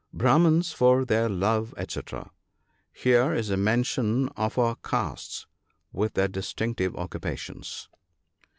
Brahmans for their lore, &c. — Here is a mention of the our castes, with their distinctive occupations.